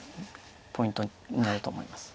ポイントになると思います。